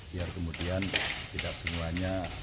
biar kemudian tidak semuanya